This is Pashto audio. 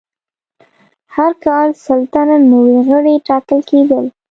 هر کال سل تنه نوي غړي ټاکل کېدل.